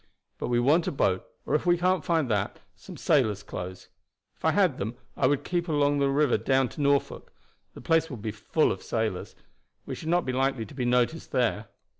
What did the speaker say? But we want a boat, or, if we can't find that, some sailors' clothes. If I had them I would keep along the river down to Norfolk. The place will be full of sailors. We should not be likely to be noticed there."